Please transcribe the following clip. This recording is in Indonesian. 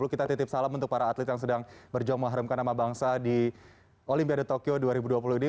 kita titip salam untuk para atlet yang sedang berjuang mengharumkan nama bangsa di olimpiade tokyo dua ribu dua puluh ini